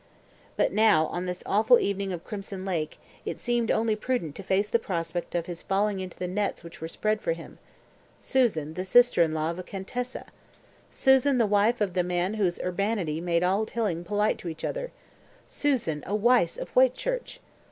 But now, on this awful evening of crimson lake, it seemed only prudent to face the prospect of his falling into the nets which were spread for him. ... Susan the sister in law of a Contessa. Susan the wife of the man whose urbanity made all Tilling polite to each other, Susan a Wyse of Whitchurch!